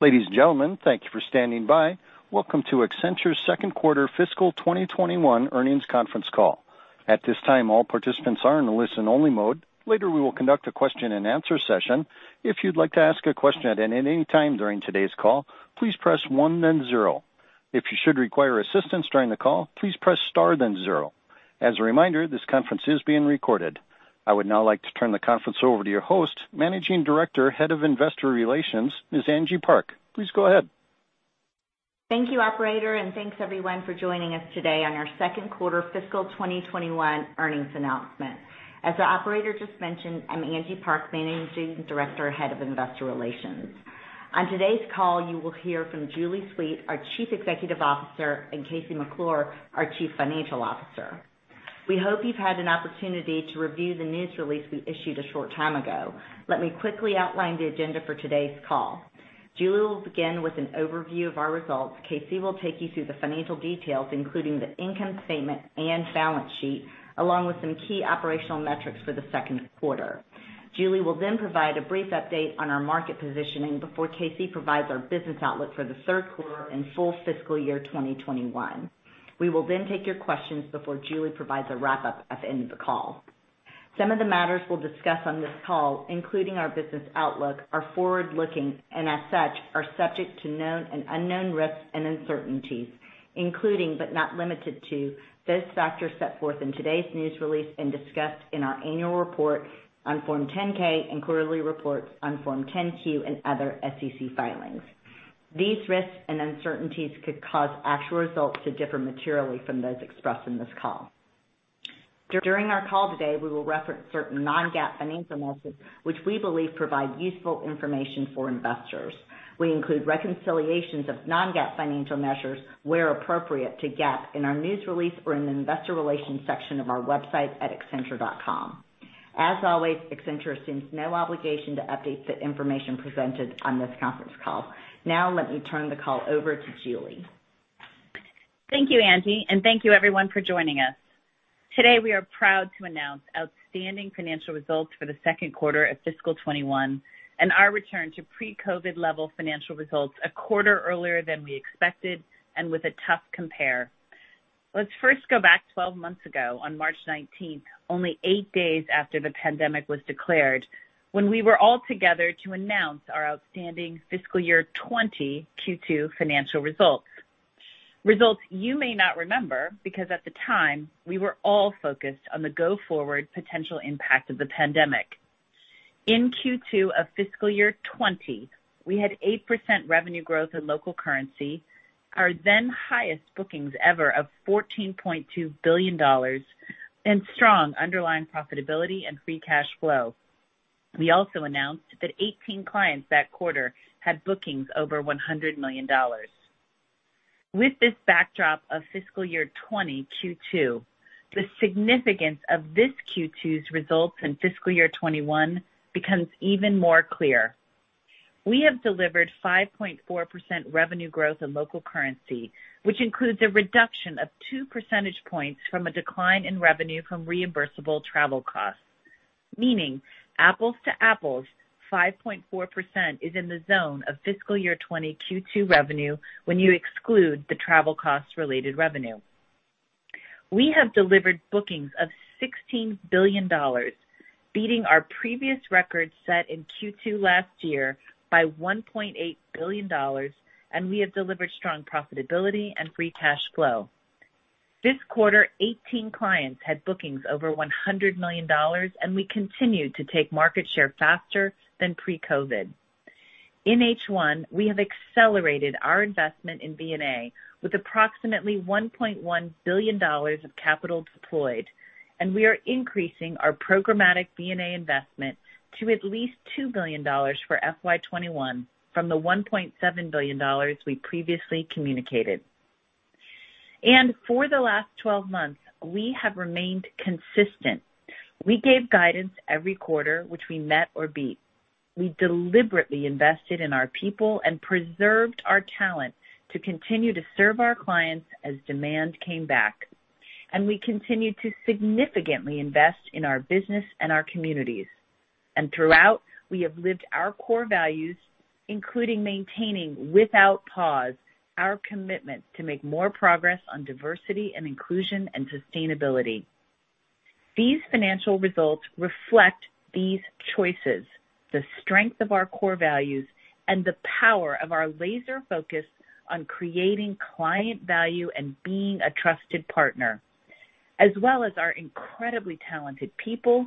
Ladies and gentlemen, thank you for standing by. Welcome to Accenture's second quarter fiscal 2021 earnings conference call. At this time, all participants are in listen-only mode. Later, we will conduct a question and answer session. If you'd like to ask a question at any time during today's call, please press one, then zero. If you should require assistance during the call, please press star then zero. As a reminder, this conference is being recorded. I would now like to turn the conference over to your host, Managing Director, Head of Investor Relations, Ms. Angie Park. Please go ahead. Thank you, operator, thanks everyone for joining us today on our second quarter fiscal 2021 earnings announcement. As the operator just mentioned, I'm Angie Park, Managing Director, Head of Investor Relations. On today's call, you will hear from Julie Sweet, our Chief Executive Officer, and KC McClure, our Chief Financial Officer. We hope you've had an opportunity to review the news release we issued a short time ago. Let me quickly outline the agenda for today's call. Julie will begin with an overview of our results. KC will take you through the financial details, including the income statement and balance sheet, along with some key operational metrics for the second quarter. Julie will then provide a brief update on our market positioning before KC provides our business outlook for the third quarter and full fiscal year 2021. We will then take your questions before Julie provides a wrap-up at the end of the call. Some of the matters we'll discuss on this call, including our business outlook, are forward-looking and as such, are subject to known and unknown risks and uncertainties, including but not limited to those factors set forth in today's news release and discussed in our annual report on Form 10-K and quarterly reports on Form 10-Q and other SEC filings. These risks and uncertainties could cause actual results to differ materially from those expressed in this call. During our call today, we will reference certain non-GAAP financial measures, which we believe provide useful information for investors. We include reconciliations of non-GAAP financial measures, where appropriate to GAAP, in our news release or in the investor relations section of our website at accenture.com. As always, Accenture assumes no obligation to update the information presented on this conference call. Now let me turn the call over to Julie. Thank you, Angie, and thank you everyone for joining us. Today, we are proud to announce outstanding financial results for the second quarter of fiscal year 2021 and our return to pre-COVID level financial results a quarter earlier than we expected and with a tough compare. Let's first go back 12 months ago on March 19th, only eight days after the pandemic was declared, when we were all together to announce our outstanding fiscal year 2020 Q2 financial results. Results you may not remember because at the time, we were all focused on the go-forward potential impact of the pandemic. In Q2 of fiscal year 2020, we had 8% revenue growth in local currency, our then highest bookings ever of $14.2 billion, and strong underlying profitability and free cash flow. We also announced that 18 clients that quarter had bookings over $100 million. With this backdrop of fiscal year 20 Q2, the significance of this Q2's results in fiscal year 21 becomes even more clear. We have delivered 5.4% revenue growth in local currency, which includes a reduction of 2 percentage points from a decline in revenue from reimbursable travel costs. Meaning apples to apples, 5.4% is in the zone of fiscal year 20 Q2 revenue when you exclude the travel cost related revenue. We have delivered bookings of $16 billion, beating our previous record set in Q2 last year by $1.8 billion, and we have delivered strong profitability and free cash flow. This quarter, 18 clients had bookings over $100 million, and we continued to take market share faster than pre-COVID. In H1, we have accelerated our investment in M&A with approximately $1.1 billion of capital deployed. We are increasing our programmatic M&A investment to at least $2 billion for FY 2021 from the $1.7 billion we previously communicated. For the last 12 months, we have remained consistent. We gave guidance every quarter, which we met or beat. We deliberately invested in our people and preserved our talent to continue to serve our clients as demand came back. We continued to significantly invest in our business and our communities. Throughout, we have lived our core values, including maintaining, without pause, our commitment to make more progress on diversity and inclusion and sustainability. These financial results reflect these choices, the strength of our core values, and the power of our laser focus on creating client value and being a trusted partner. As well as our incredibly talented people,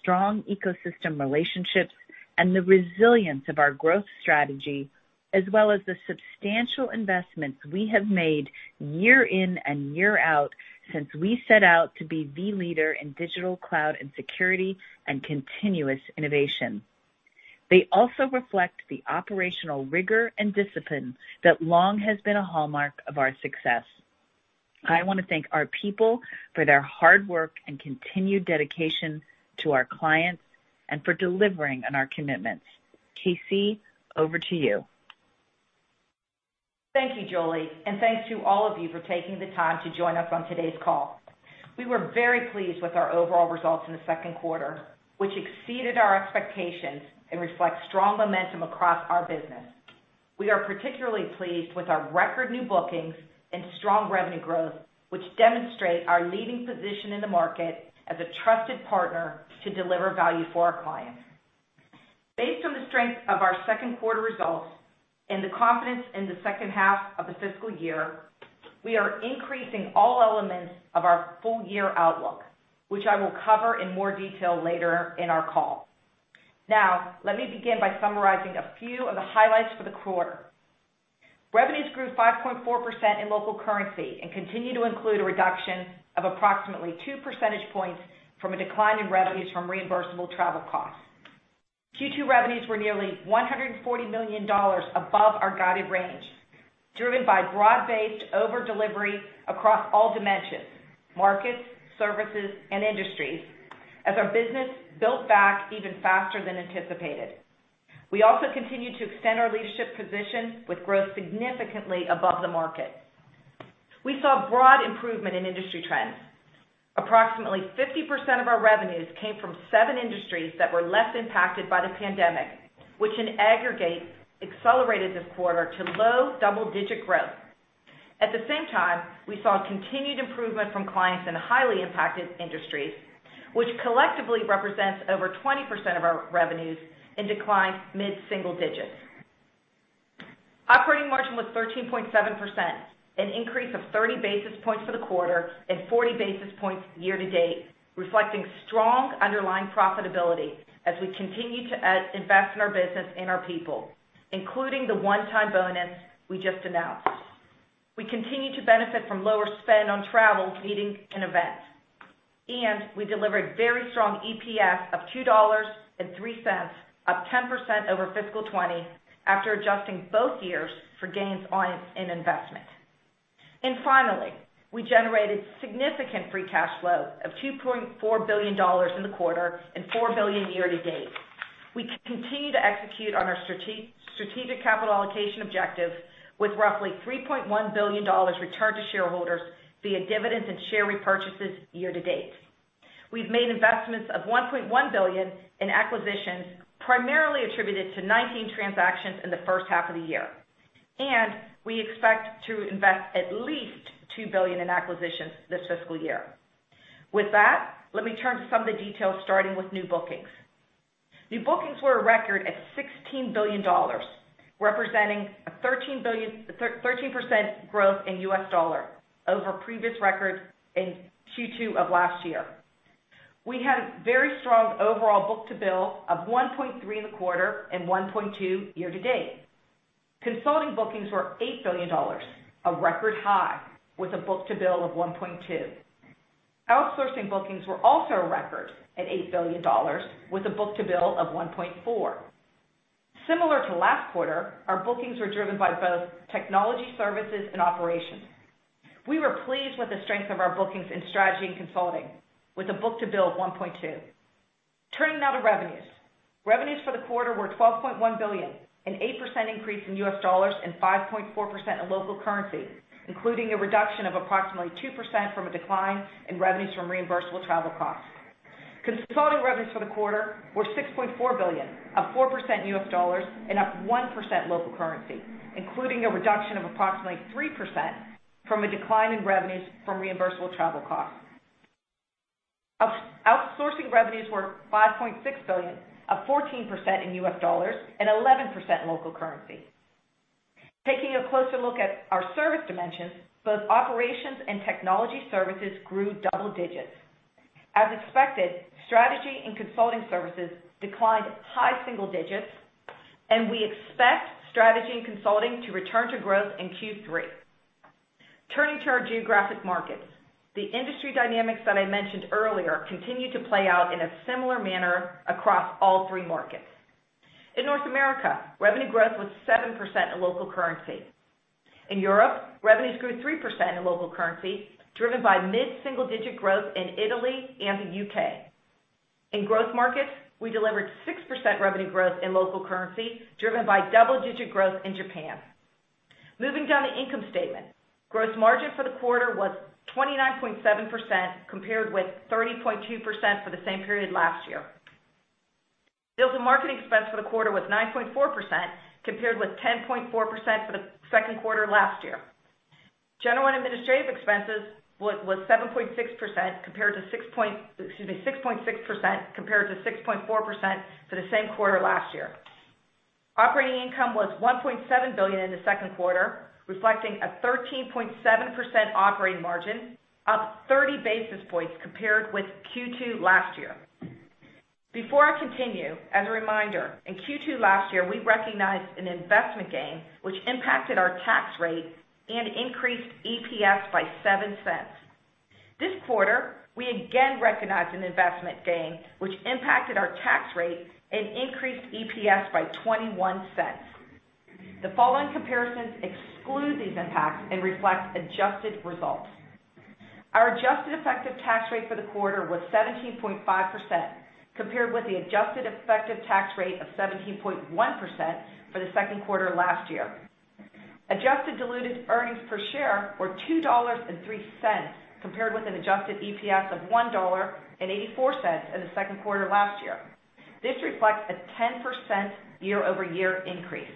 strong ecosystem relationships, and the resilience of our growth strategy, as well as the substantial investments we have made year in and year out since we set out to be the leader in digital cloud and security and continuous innovation. They also reflect the operational rigor and discipline that long has been a hallmark of our success. I want to thank our people for their hard work and continued dedication to our clients and for delivering on our commitments. KC, over to you. Thank you, Julie. Thanks to all of you for taking the time to join us on today's call. We were very pleased with our overall results in the second quarter, which exceeded our expectations and reflects strong momentum across our business. We are particularly pleased with our record new bookings and strong revenue growth, which demonstrate our leading position in the market as a trusted partner to deliver value for our clients. Based on the strength of our second quarter results and the confidence in the second half of the fiscal year, we are increasing all elements of our full year outlook, which I will cover in more detail later in our call. Now, let me begin by summarizing a few of the highlights for the quarter. Revenues grew 5.4% in local currency and continue to include a reduction of approximately two percentage points from a decline in revenues from reimbursable travel costs. Q2 revenues were nearly $140 million above our guided range, driven by broad-based over delivery across all dimensions, markets, services, and industries, as our business built back even faster than anticipated. We also continued to extend our leadership position with growth significantly above the market. We saw broad improvement in industry trends. Approximately 50% of our revenues came from seven industries that were less impacted by the pandemic, which in aggregate accelerated this quarter to low double-digit growth. At the same time, we saw continued improvement from clients in highly impacted industries, which collectively represents over 20% of our revenues and declined mid-single digits. Operating margin was 13.7%, an increase of 30 basis points for the quarter and 40 basis points year-to-date, reflecting strong underlying profitability as we continue to invest in our business and our people, including the one-time bonus we just announced. We continue to benefit from lower spend on travel, meetings, and events. We delivered very strong EPS of $2.03, up 10% over fiscal 2020 after adjusting both years for gains in investment. Finally, we generated significant free cash flow of $2.4 billion in the quarter and $4 billion year-to-date. We continue to execute on our strategic capital allocation objective with roughly $3.1 billion returned to shareholders via dividends and share repurchases year-to-date. We've made investments of $1.1 billion in acquisitions, primarily attributed to 19 transactions in the first half of the year, and we expect to invest at least $2 billion in acquisitions this fiscal year. With that, let me turn to some of the details, starting with new bookings. New bookings were a record at $16 billion, representing a 13% growth in US dollar over previous records in Q2 of last year. We had very strong overall book-to-bill of 1.3 in the quarter and 1.2 year to date. Consulting bookings were $8 billion, a record high, with a book-to-bill of 1.2. Outsourcing bookings were also a record at $8 billion with a book-to-bill of 1.4. Similar to last quarter, our bookings were driven by both technology services and operations. We were pleased with the strength of our bookings in strategy and consulting with a book-to-bill of 1.2. Turning now to revenues. Revenues for the quarter were $12.1 billion, an 8% increase in US dollars and 5.4% in local currency, including a reduction of approximately 2% from a decline in revenues from reimbursable travel costs. Consulting revenues for the quarter were $6.4 billion, up 4% in US dollars and up 1% local currency, including a reduction of approximately 3% from a decline in revenues from reimbursable travel costs. Outsourcing revenues were $5.6 billion, up 14% in US dollars and 11% in local currency. Taking a closer look at our service dimensions, both operations and technology services grew double digits. As expected, Strategy and Consulting services declined high single digits, and we expect Strategy and Consulting to return to growth in Q3. Turning to our geographic markets. The industry dynamics that I mentioned earlier continue to play out in a similar manner across all three markets. In North America, revenue growth was 7% in local currency. In Europe, revenues grew 3% in local currency, driven by mid-single-digit growth in Italy and the U.K. In growth markets, we delivered 6% revenue growth in local currency, driven by double-digit growth in Japan. Moving down the income statement. Gross margin for the quarter was 29.7%, compared with 30.2% for the same period last year. Sales and marketing expense for the quarter was 9.4%, compared with 10.4% for the second quarter last year. General and administrative expenses was 6.6%, compared to 6.4% for the same quarter last year. Operating income was $1.7 billion in the second quarter, reflecting a 13.7% operating margin, up 30 basis points compared with Q2 last year. Before I continue, as a reminder, in Q2 last year, we recognized an investment gain which impacted our tax rate and increased EPS by $0.07. This quarter, we again recognized an investment gain which impacted our tax rate and increased EPS by $0.21. The following comparisons exclude these impacts and reflect adjusted results. Our adjusted effective tax rate for the quarter was 17.5%, compared with the adjusted effective tax rate of 17.1% for the second quarter last year. Adjusted diluted earnings per share were $2.03, compared with an adjusted EPS of $1.84 in the second quarter last year. This reflects a 10% year-over-year increase.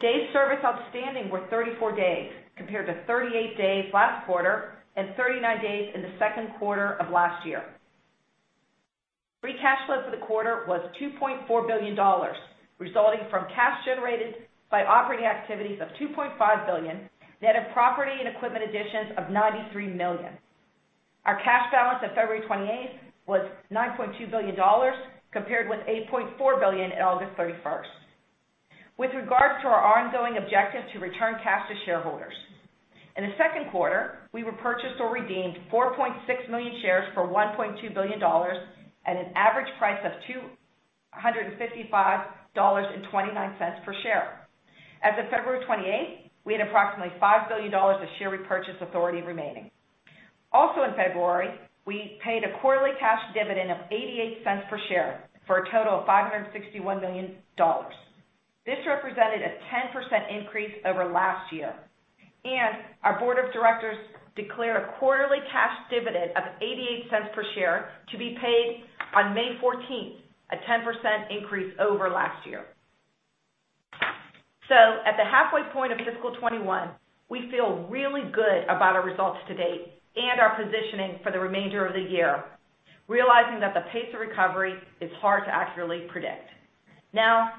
Days service outstanding were 34 days, compared to 38 days last quarter and 39 days in the second quarter of last year. Free cash flow for the quarter was $2.4 billion, resulting from cash generated by operating activities of $2.5 billion, net of property and equipment additions of $93 million. Our cash balance as of February 28th was $9.2 billion, compared with $8.4 billion at August 31st. With regards to our ongoing objective to return cash to shareholders, in the second quarter, we repurchased or redeemed 4.6 million shares for $1.2 billion at an average price of $255.29 per share. As of February 28th, we had approximately $5 billion of share repurchase authority remaining. In February, we paid a quarterly cash dividend of $0.88 per share for a total of $561 million. This represented a 10% increase over last year. Our board of directors declared a quarterly cash dividend of $0.88 per share to be paid on May 14th, a 10% increase over last year. At the halfway point of FY 2021, we feel really good about our results to date and our positioning for the remainder of the year, realizing that the pace of recovery is hard to accurately predict.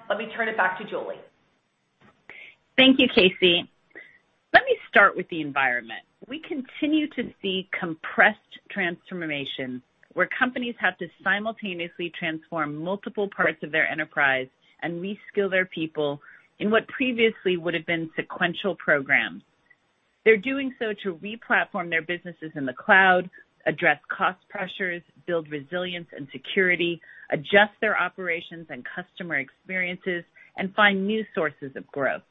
Let me turn it back to Julie. Thank you, KC. Let me start with the environment. We continue to see compressed transformation, where companies have to simultaneously transform multiple parts of their enterprise and reskill their people in what previously would have been sequential programs. They're doing so to re-platform their businesses in the cloud, address cost pressures, build resilience and security, adjust their operations and customer experiences, and find new sources of growth.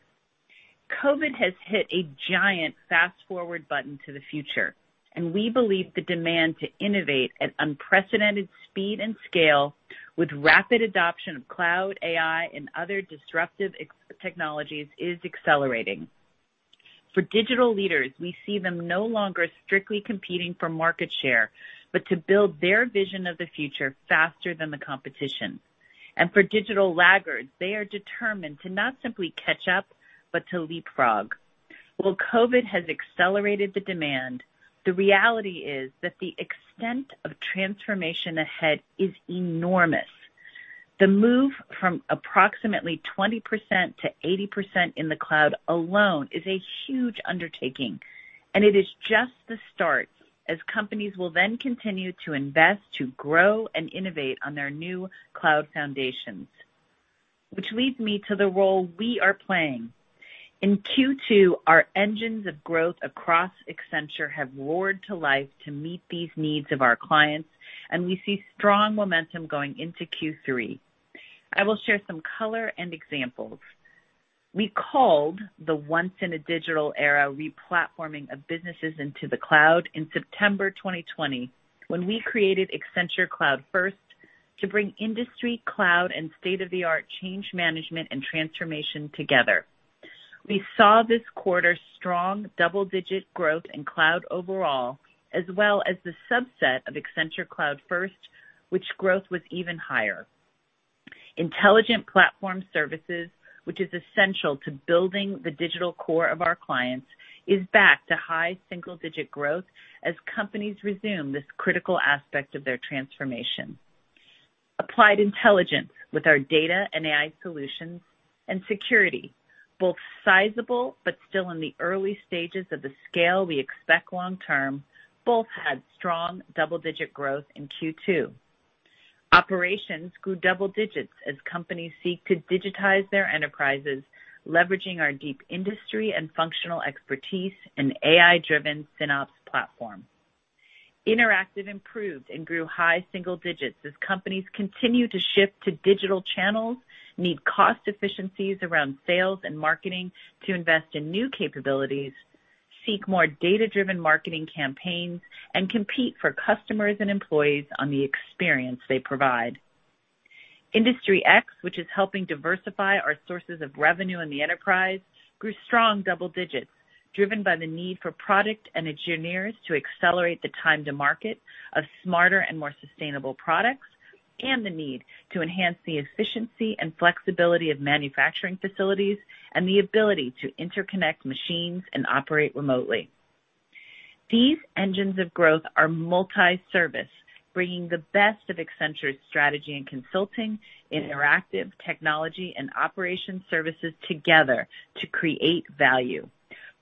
COVID has hit a giant fast-forward button to the future. We believe the demand to innovate at unprecedented speed and scale with rapid adoption of cloud, AI, and other disruptive technologies is accelerating. For digital leaders, we see them no longer strictly competing for market share, but to build their vision of the future faster than the competition. For digital laggards, they are determined to not simply catch up, but to leapfrog. While COVID has accelerated the demand, the reality is that the extent of transformation ahead is enormous. The move from approximately 20%-80% in the cloud alone is a huge undertaking, and it is just the start as companies will then continue to invest, to grow and innovate on their new cloud foundations. Which leads me to the role we are playing. In Q2, our engines of growth across Accenture have roared to life to meet these needs of our clients, and we see strong momentum going into Q3. I will share some color and examples. We called the once-in-a-digital era re-platforming of businesses into the cloud in September 2020, when we created Accenture Cloud First to bring industry, cloud, and state-of-the-art change management and transformation together. We saw this quarter strong double-digit growth in cloud overall, as well as the subset of Accenture Cloud First, which growth was even higher. Intelligent Platform Services, which is essential to building the digital core of our clients, is back to high single-digit growth as companies resume this critical aspect of their transformation. Applied Intelligence with our data and AI solutions and security, both sizable but still in the early stages of the scale we expect long term, both had strong double-digit growth in Q2. Operations grew double digits as companies seek to digitize their enterprises, leveraging our deep industry and functional expertise and AI-driven SynOps platform. Interactive improved and grew high single digits as companies continue to shift to digital channels, need cost efficiencies around sales and marketing to invest in new capabilities, seek more data-driven marketing campaigns, and compete for customers and employees on the experience they provide. Industry X, which is helping diversify our sources of revenue in the enterprise, grew strong double digits, driven by the need for product and engineers to accelerate the time to market of smarter and more sustainable products, and the need to enhance the efficiency and flexibility of manufacturing facilities and the ability to interconnect machines and operate remotely. These engines of growth are multi-service, bringing the best of Accenture's strategy and consulting, Interactive technology and operation services together to create value.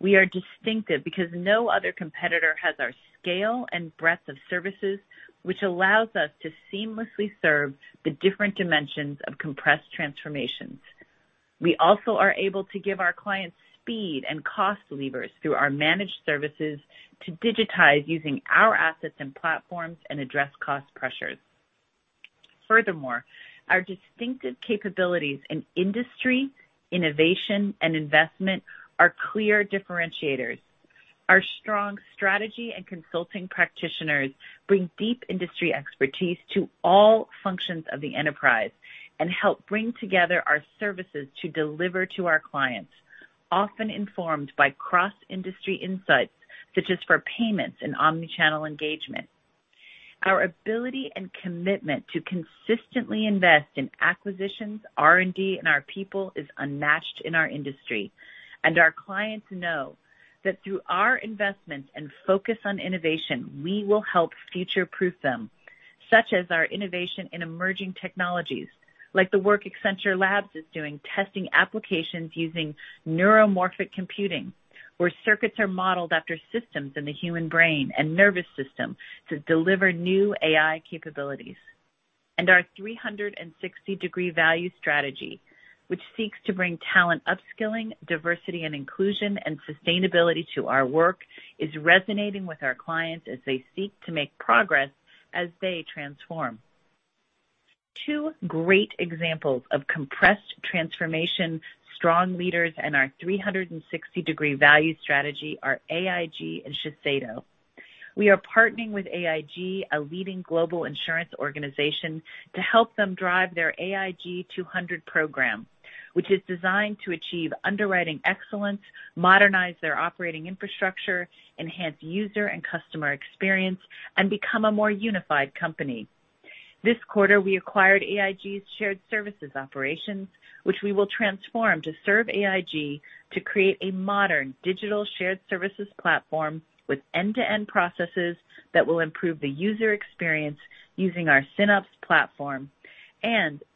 We are distinctive because no other competitor has our scale and breadth of services, which allows us to seamlessly serve the different dimensions of compressed transformations. We also are able to give our clients speed and cost levers through our managed services to digitize using our assets and platforms and address cost pressures. Our distinctive capabilities in industry, innovation, and investment are clear differentiators. Our strong strategy and consulting practitioners bring deep industry expertise to all functions of the enterprise and help bring together our services to deliver to our clients, often informed by cross-industry insights, such as for payments and omni-channel engagement. Our ability and commitment to consistently invest in acquisitions, R&D, and our people is unmatched in our industry. Our clients know that through our investments and focus on innovation, we will help future-proof them, such as our innovation in emerging technologies, like the work Accenture Labs is doing testing applications using neuromorphic computing, where circuits are modeled after systems in the human brain and nervous system to deliver new AI capabilities. Our 360° Value strategy, which seeks to bring talent upskilling, diversity and inclusion, and sustainability to our work, is resonating with our clients as they seek to make progress as they transform. Two great examples of compressed transformation, strong leaders, and our 360° Value strategy are AIG and Shiseido. We are partnering with AIG, a leading global insurance organization, to help them drive their AIG 200 program, which is designed to achieve underwriting excellence, modernize their operating infrastructure, enhance user and customer experience, and become a more unified company. This quarter, we acquired AIG's shared services operations, which we will transform to serve AIG to create a modern digital shared services platform with end-to-end processes that will improve the user experience using our SynOps platform.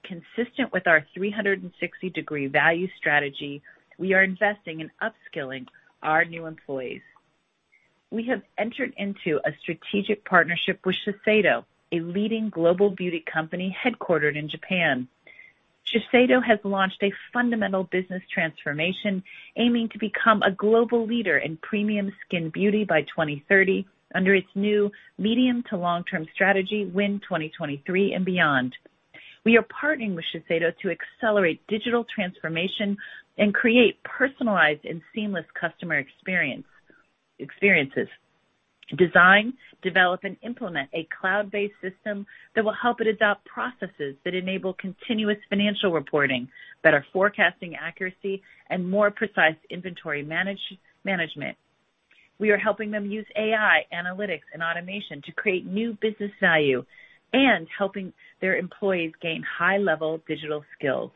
Consistent with our 360° Value strategy, we are investing in upskilling our new employees. We have entered into a strategic partnership with Shiseido, a leading global beauty company headquartered in Japan. Shiseido has launched a fundamental business transformation aiming to become a global leader in premium skin beauty by 2030 under its new medium to long-term strategy, WIN 2023 and Beyond. We are partnering with Shiseido to accelerate digital transformation and create personalized and seamless customer experiences, design, develop, and implement a cloud-based system that will help it adopt processes that enable continuous financial reporting, better forecasting accuracy, and more precise inventory management. We are helping them use AI, analytics, and automation to create new business value and helping their employees gain high-level digital skills.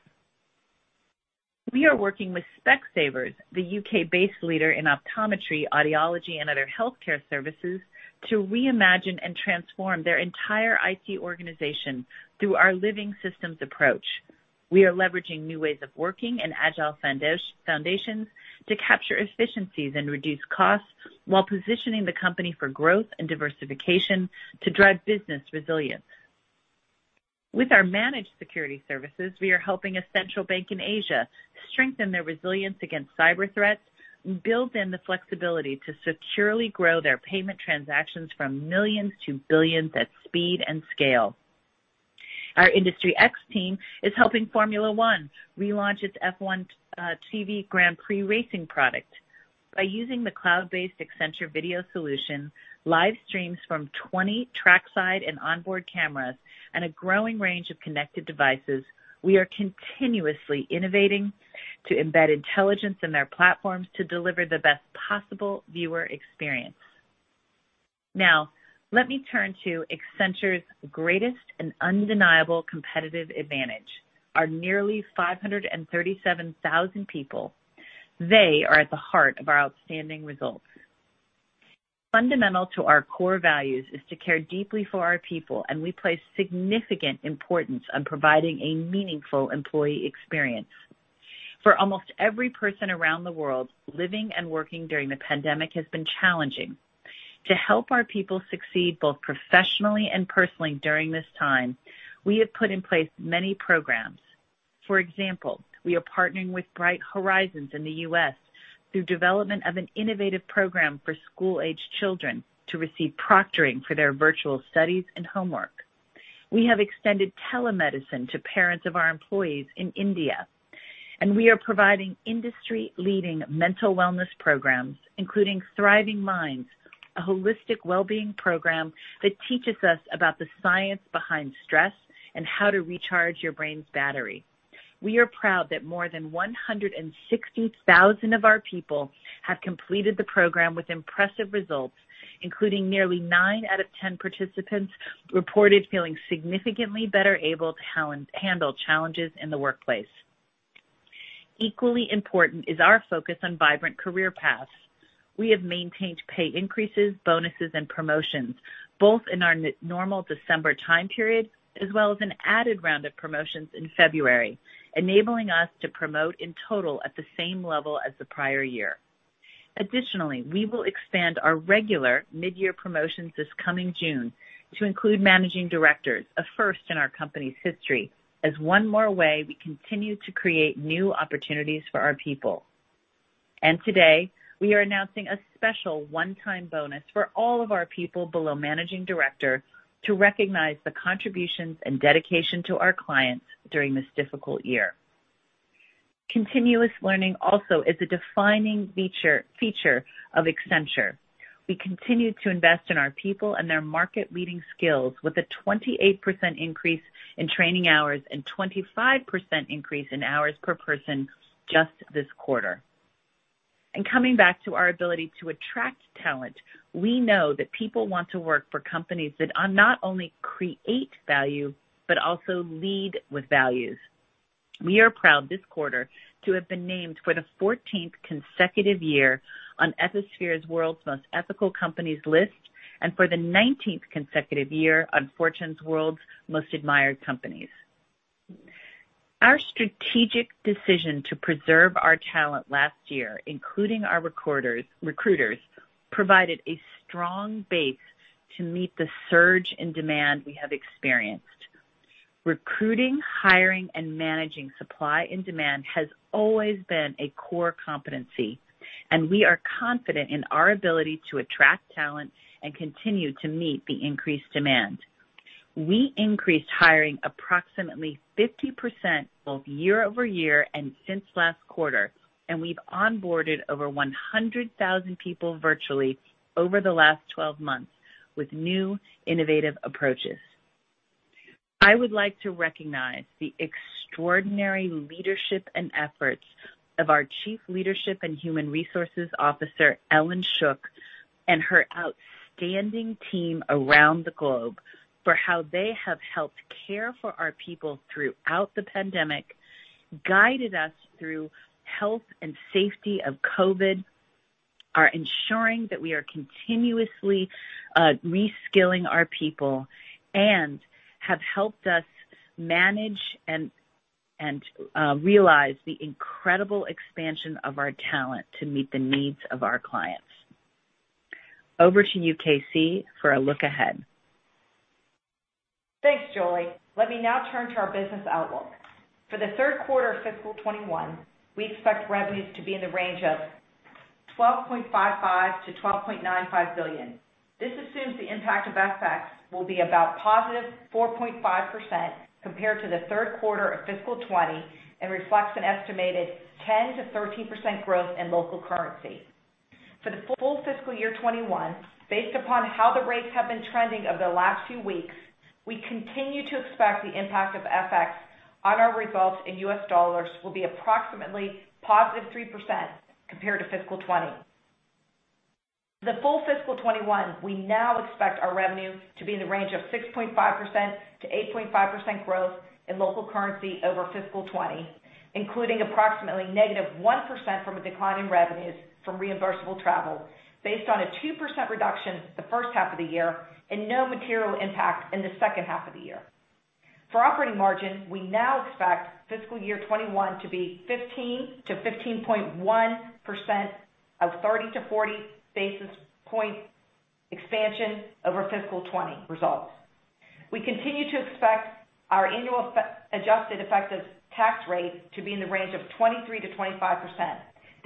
We are working with Specsavers, the U.K.-based leader in optometry, audiology, and other healthcare services, to reimagine and transform their entire IT organization through our Living Systems approach. We are leveraging new ways of working and agile foundations to capture efficiencies and reduce costs while positioning the company for growth and diversification to drive business resilience. With our managed security services, we are helping a central bank in Asia strengthen their resilience against cyber threats and build in the flexibility to securely grow their payment transactions from millions to billions at speed and scale. Our Industry X team is helping Formula One relaunch its F1 TV Grand Prix racing product. By using the cloud-based Accenture Video Solution, live streams from 20 trackside and onboard cameras, and a growing range of connected devices, we are continuously innovating to embed intelligence in their platforms to deliver the best possible viewer experience. Let me turn to Accenture's greatest and undeniable competitive advantage, our nearly 537,000 people. They are at the heart of our outstanding results. Fundamental to our core values is to care deeply for our people, and we place significant importance on providing a meaningful employee experience. For almost every person around the world, living and working during the pandemic has been challenging. To help our people succeed both professionally and personally during this time, we have put in place many programs. For example, we are partnering with Bright Horizons in the U.S. through development of an innovative program for school-aged children to receive proctoring for their virtual studies and homework. We have extended telemedicine to parents of our employees in India, and we are providing industry-leading mental wellness programs, including Thriving Minds, a holistic wellbeing program that teaches us about the science behind stress and how to recharge your brain's battery. We are proud that more than 160,000 of our people have completed the program with impressive results, including nearly nine out of 10 participants reported feeling significantly better able to handle challenges in the workplace. Equally important is our focus on vibrant career paths. We have maintained pay increases, bonuses, and promotions, both in our normal December time period, as well as an added round of promotions in February, enabling us to promote in total at the same level as the prior year. Additionally, we will expand our regular mid-year promotions this coming June to include managing directors, a first in our company's history, as one more way we continue to create new opportunities for our people. Today, we are announcing a special one-time bonus for all of our people below managing director to recognize the contributions and dedication to our clients during this difficult year. Continuous learning also is a defining feature of Accenture. We continue to invest in our people and their market-leading skills with a 28% increase in training hours and 25% increase in hours per person just this quarter. Coming back to our ability to attract talent, we know that people want to work for companies that not only create value but also lead with values. We are proud this quarter to have been named for the 14th consecutive year on Ethisphere's World's Most Ethical Companies list and for the 19th consecutive year on Fortune's World's Most Admired Companies. Our strategic decision to preserve our talent last year, including our recruiters, provided a strong base to meet the surge in demand we have experienced. Recruiting, hiring, and managing supply and demand has always been a core competency, and we are confident in our ability to attract talent and continue to meet the increased demand. We increased hiring approximately 50% both year-over-year and since last quarter, and we've onboarded over 100,000 people virtually over the last 12 months with new innovative approaches. I would like to recognize the extraordinary leadership and efforts of our Chief Leadership and Human Resources Officer, Ellyn Shook, and her outstanding team around the globe for how they have helped care for our people throughout the pandemic, guided us through health and safety of COVID, are ensuring that we are continuously re-skilling our people, and have helped us manage and realize the incredible expansion of our talent to meet the needs of our clients. Over to you, KC, for a look ahead. Thanks, Julie. Let me now turn to our business outlook. For the third quarter of fiscal 2021, we expect revenues to be in the range of $12.55 billion-$12.95 billion. This assumes the impact of FX will be about positive 4.5% compared to the third quarter of fiscal 2020 and reflects an estimated 10%-13% growth in local currency. For the full fiscal year 2021, based upon how the rates have been trending over the last few weeks, we continue to expect the impact of FX on our results in U.S. dollars will be approximately positive 3% compared to fiscal 2020. The full fiscal 2021, we now expect our revenue to be in the range of 6.5%-8.5% growth in local currency over fiscal 2020, including approximately negative 1% from a decline in revenues from reimbursable travel based on a 2% reduction the first half of the year and no material impact in the second half of the year. For operating margin, we now expect fiscal year 2021 to be 15%-15.1% of 30-40 basis point expansion over fiscal 2020 results. We continue to expect our annual adjusted effective tax rate to be in the range of 23%-25%.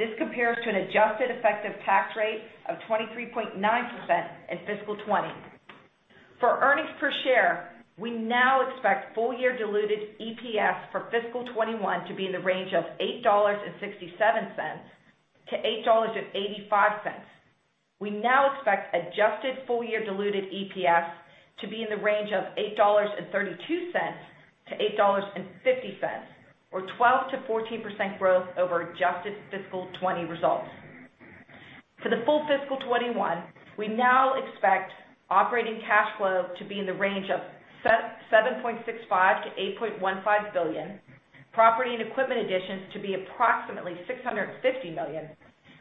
This compares to an adjusted effective tax rate of 23.9% in fiscal 2020. For earnings per share, we now expect full-year diluted EPS for fiscal 2021 to be in the range of $8.67-$8.85. We now expect adjusted full-year diluted EPS to be in the range of $8.32-$8.50, or 12%-14% growth over adjusted fiscal 2020 results. For the full FY 2021, we now expect operating cash flow to be in the range of $7.65 billion-$8.15 billion, property and equipment additions to be approximately $650 million,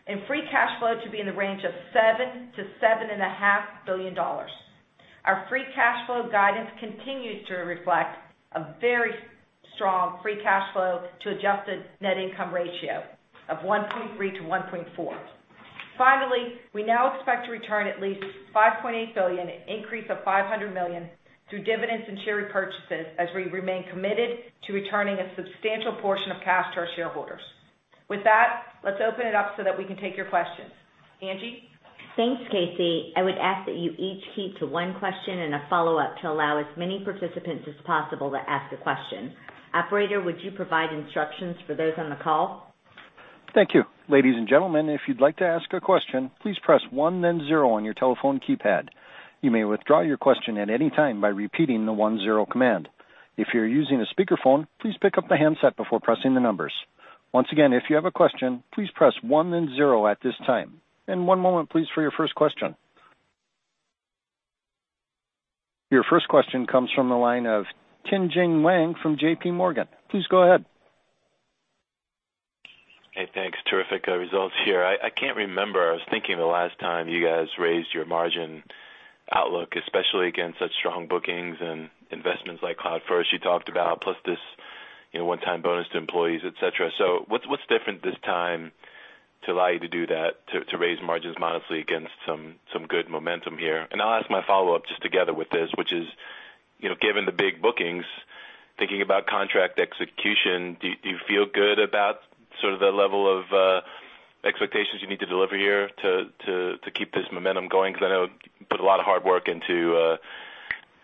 and free cash flow to be in the range of $7 billion-$7.5 billion. Our free cash flow guidance continues to reflect a very strong free cash flow to adjusted net income ratio of 1.3-1.4. Finally, we now expect to return at least $5.8 billion, an increase of $500 million through dividends and share repurchases as we remain committed to returning a substantial portion of cash to our shareholders. With that, let's open it up so that we can take your questions. Angie? Thanks, KC I would ask that you each keep to one question and a follow-up to allow as many participants as possible to ask a question. Operator, would you provide instructions for those on the call? Thank you. Ladies and gentlemen, if you'd like to ask a question, please press one then zero on your telephone keypad. You may withdraw your question at any time by repeating the one, zero command. If you're using a speakerphone, please pick up the handset before pressing the numbers. Once again, if you have a question, please press one then zero at this time. In one moment, please, for your first question. Your first question comes from the line of Tien-Tsin Huang from JPMorgan. Please go ahead. Hey, thanks. Terrific results here. I can't remember. I was thinking the last time you guys raised your margin outlook, especially against such strong bookings and investments like Cloud First you talked about, plus this one-time bonus to employees, et cetera. What's different this time to allow you to do that, to raise margins modestly against some good momentum here? I'll ask my follow-up just together with this, which is, given the big bookings, thinking about contract execution, do you feel good about the level of expectations you need to deliver here to keep this momentum going? I know you put a lot of hard work into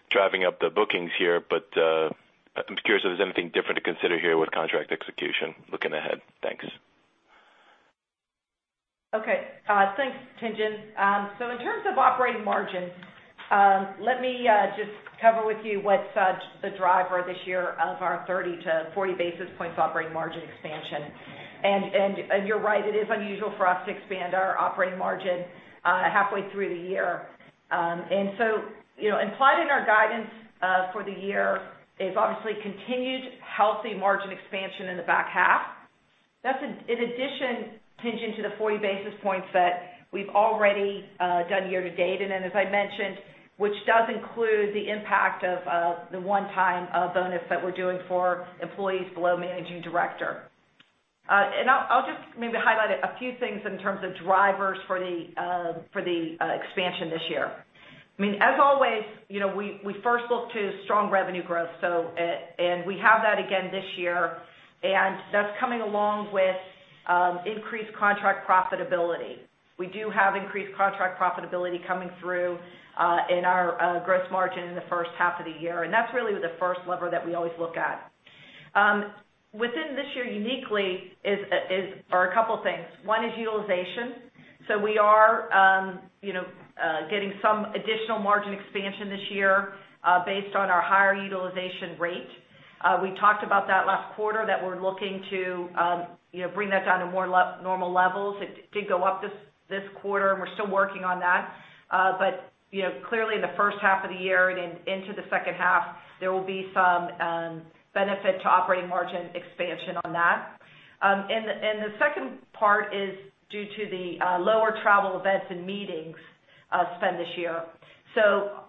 driving up the bookings here, but I'm curious if there's anything different to consider here with contract execution looking ahead. Thanks. Okay. Thanks, Tien-Tsin. In terms of operating margin, let me just cover with you what's the driver this year of our 30-40 basis points operating margin expansion. You're right, it is unusual for us to expand our operating margin halfway through the year. Implied in our guidance for the year is obviously continued healthy margin expansion in the back half. That's in addition, Tien-Tsin, to the 40 basis points that we've already done year to date. As I mentioned, which does include the impact of the one-time bonus that we're doing for employees below managing director. I'll just maybe highlight a few things in terms of drivers for the expansion this year. As always, we first look to strong revenue growth. We have that again this year, and that's coming along with increased contract profitability. We do have increased contract profitability coming through in our gross margin in the first half of the year. That's really the first lever that we always look at. Within this year uniquely are a couple of things. One is utilization. We are getting some additional margin expansion this year based on our higher utilization rate. We talked about that last quarter, that we're looking to bring that down to more normal levels. It did go up this quarter. We're still working on that. Clearly in the first half of the year and into the second half, there will be some benefit to operating margin expansion on that. The second part is due to the lower travel events and meetings spend this year.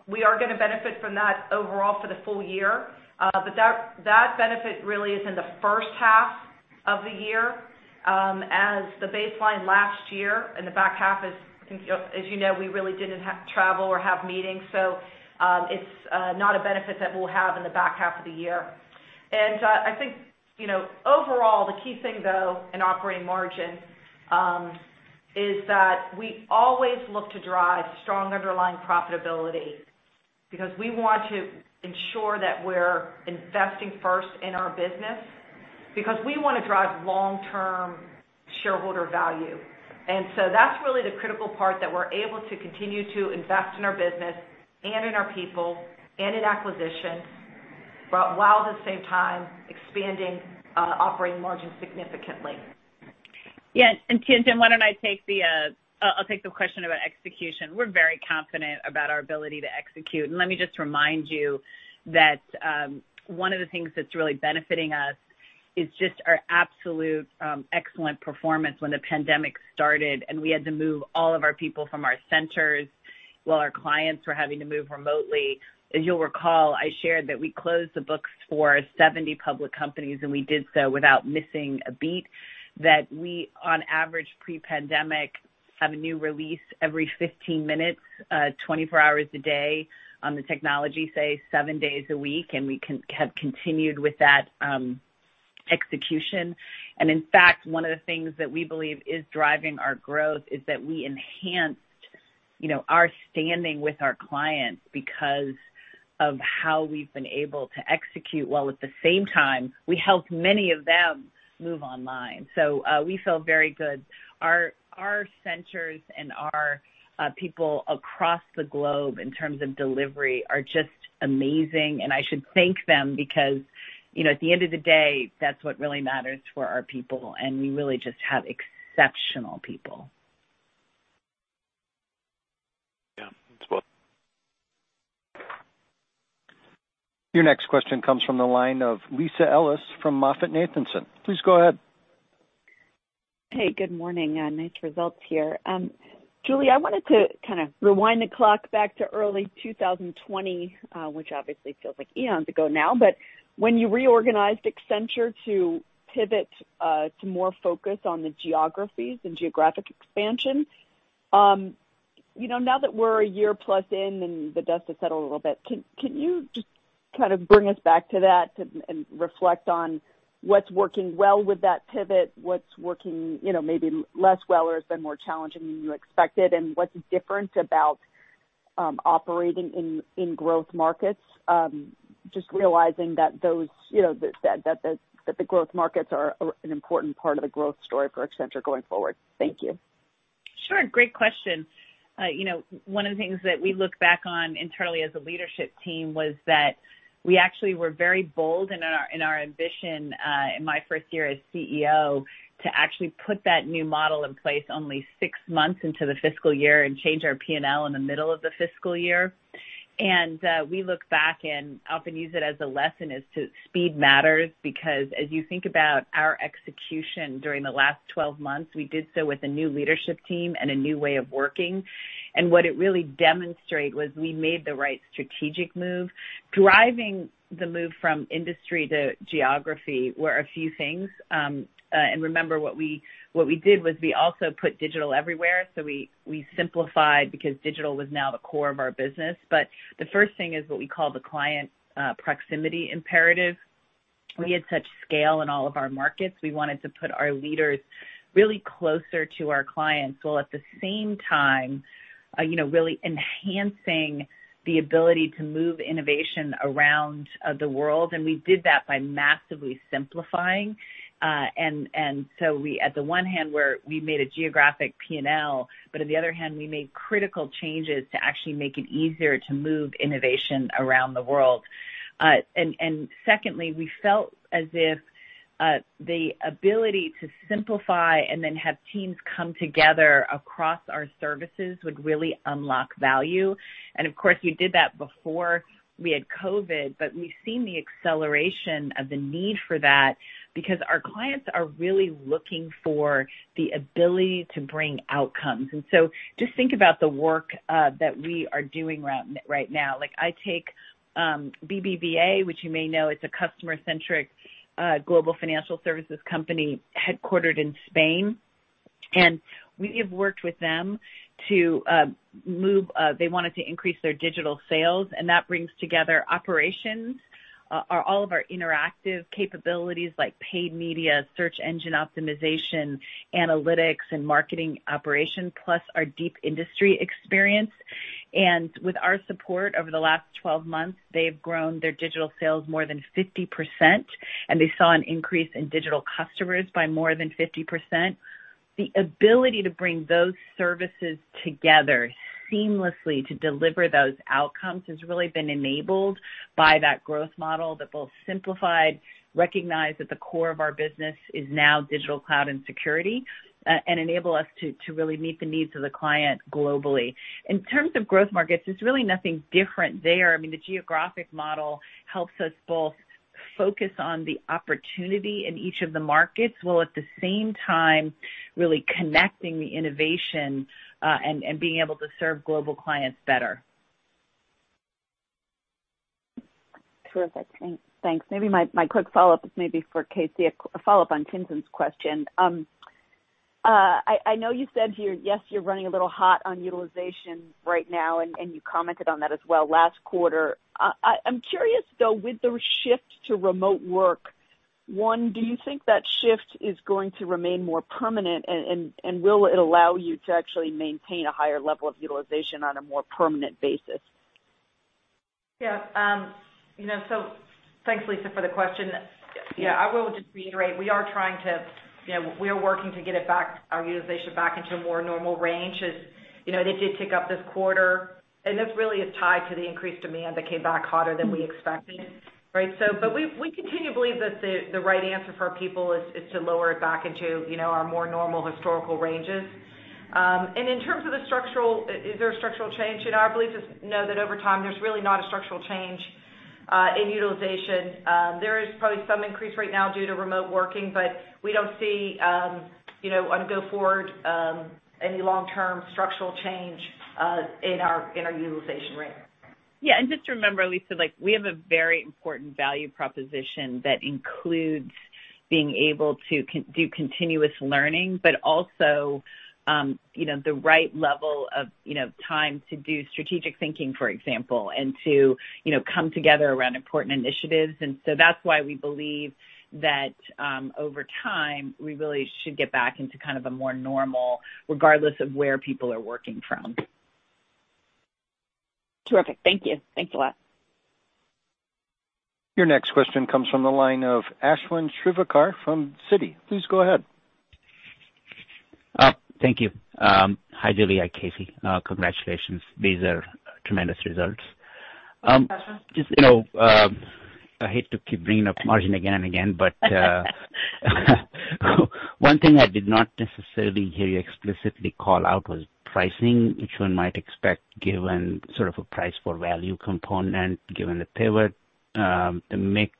We are going to benefit from that overall for the full year. That benefit really is in the first half of the year as the baseline last year in the back half is, you know, we really didn't have travel or have meetings. It's not a benefit that we'll have in the back half of the year. I think, overall, the key thing, though, in operating margin, is that we always look to drive strong underlying profitability because we want to ensure that we're investing first in our business because we want to drive long-term shareholder value. That's really the critical part, that we're able to continue to invest in our business and in our people and in acquisitions, while at the same time expanding operating margin significantly. Yeah. Tien-Tsin, why don't I take the question about execution. We're very confident about our ability to execute. Let me just remind you that one of the things that's really benefiting us is just our absolute excellent performance when the pandemic started, and we had to move all of our people from our centers while our clients were having to move remotely. As you'll recall, I shared that we closed the books for 70 public companies, and we did so without missing a beat. That we, on average, pre-pandemic, have a new release every 15 minutes, 24 hours a day on the technology, say seven days a week, and we have continued with that execution. In fact, one of the things that we believe is driving our growth is that we enhanced our standing with our clients because of how we've been able to execute, while at the same time we helped many of them move online. We feel very good. Our centers and our people across the globe in terms of delivery are just amazing, and I should thank them because at the end of the day, that's what really matters for our people, and we really just have exceptional people. Yeah. That's well. Your next question comes from the line of Lisa Ellis from MoffettNathanson. Please go ahead. Hey, good morning. Nice results here. Julie, I wanted to kind of rewind the clock back to early 2020, which obviously feels like eons ago now. When you reorganized Accenture to pivot to more focus on the geographies and geographic expansion. Now that we're a year plus in and the dust has settled a little bit, can you just kind of bring us back to that and reflect on what's working well with that pivot, what's working maybe less well or has been more challenging than you expected, and what's different about operating in growth markets? Realizing that the growth markets are an important part of the growth story for Accenture going forward. Thank you. Sure. Great question. One of the things that we look back on internally as a leadership team was that we actually were very bold in our ambition, in my first year as CEO, to actually put that new model in place only six months into the fiscal year and change our P&L in the middle of the fiscal year. We look back and often use it as a lesson as to speed matters, because as you think about our execution during the last 12 months, we did so with a new leadership team and a new way of working. What it really demonstrate was we made the right strategic move. Driving the move from industry to geography were a few things. Remember, what we did was we also put digital everywhere. We simplified because digital was now the core of our business. The first thing is what we call the client proximity imperative. We had such scale in all of our markets. We wanted to put our leaders really closer to our clients, while at the same time, really enhancing the ability to move innovation around the world. We did that by massively simplifying. At the one hand, we made a geographic P&L, but on the other hand, we made critical changes to actually make it easier to move innovation around the world. Secondly, we felt as if the ability to simplify and then have teams come together across our services would really unlock value. Of course, we did that before we had COVID, but we've seen the acceleration of the need for that because our clients are really looking for the ability to bring outcomes. Just think about the work that we are doing right now. I take BBVA, which you may know, it's a customer-centric, global financial services company headquartered in Spain. We have worked with them to move They wanted to increase their digital sales, and that brings together operations, all of our Interactive capabilities like paid media, search engine optimization, analytics, and marketing operations, plus our deep industry experience. With our support over the last 12 months, they've grown their digital sales more than 50%, and they saw an increase in digital customers by more than 50%. The ability to bring those services together seamlessly to deliver those outcomes has really been enabled by that growth model that both simplified, recognized that the core of our business is now digital, cloud, and security, and enable us to really meet the needs of the client globally. In terms of growth markets, there's really nothing different there. The geographic model helps us both focus on the opportunity in each of the markets, while at the same time really connecting the innovation, and being able to serve global clients better. Terrific. Thanks. Maybe my quick follow-up is maybe for KC, a follow-up on Tien-Tsin's question. I know you said here, yes, you're running a little hot on utilization right now, and you commented on that as well last quarter. I'm curious though, with the shift to remote work, one, do you think that shift is going to remain more permanent? Will it allow you to actually maintain a higher level of utilization on a more permanent basis? Yeah. Thanks, Lisa, for the question. Yeah, I will just reiterate, we are working to get our utilization back into a more normal range, as it did tick up this quarter. This really is tied to the increased demand that came back hotter than we expected, right? We continue to believe that the right answer for our people is to lower it back into our more normal historical ranges. In terms of the structural, is there a structural change? Our belief is no, that over time, there's really not a structural change in utilization. There is probably some increase right now due to remote working, but we don't see, on go forward, any long-term structural change in our utilization rate. Yeah. Just remember, Lisa, we have a very important value proposition that includes being able to do continuous learning, but also the right level of time to do strategic thinking, for example, and to come together around important initiatives. That's why we believe that, over time, we really should get back into kind of a more normal, regardless of where people are working from. Terrific. Thank you. Thanks a lot. Your next question comes from the line of Ashwin Shirvaikar from Citi. Please go ahead. Thank you. Hi, Julie and KC. Congratulations. These are tremendous results. Thanks, Ashwin. I hate to keep bringing up margin again and again. One thing I did not necessarily hear you explicitly call out was pricing, which one might expect given sort of a price for value component, given the pivot, the mix